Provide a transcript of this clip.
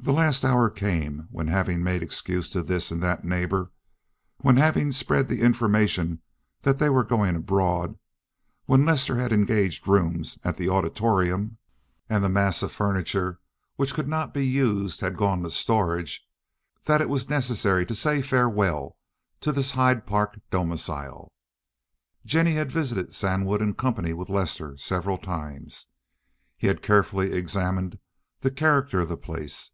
The last hour came, when having made excuses to this and that neighbor, when having spread the information that they were going abroad, when Lester had engaged rooms at the Auditorium, and the mass of furniture which could not be used had gone to storage, that it was necessary to say farewell to this Hyde Park domicile. Jennie had visited Sandwood in company with Lester several times. He had carefully examined the character of the place.